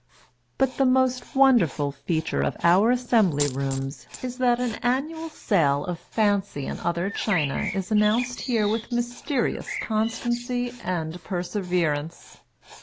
But the most wonderful feature of our Assembly Rooms, is, that an annual sale of " Fancy and other China," is announced here with mysterious constancy and perseverance.